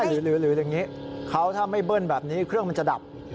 หรืออย่างนี้เขาถ้าไม่เบิ้ลแบบนี้เครื่องมันจะดับ